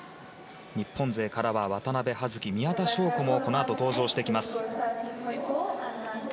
日本勢からは渡部葉月、宮田笙子もこのあと登場してきます。